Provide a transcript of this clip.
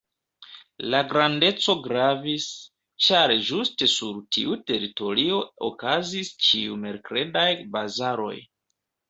La grandeco gravis, ĉar ĝuste sur tiu teritorio okazis ĉiu-merkredaj bazaroj.